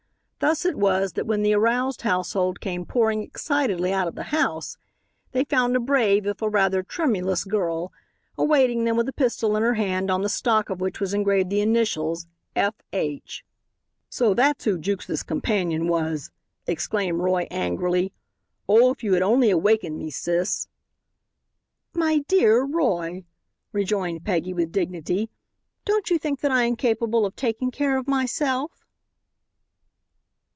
Thus it was that when the aroused household came pouring excitedly out of the house they found a brave, if a rather tremulous, girl awaiting them with a pistol in her hand on the stock of which were engraved the initials "F. H." "So that's who Jukes's companion was," exclaimed Roy, angrily. "Oh, if you had only awakened me, sis." "My dear Roy," rejoined Peggy, with dignity, "don't you think that I am capable of taking care of myself?"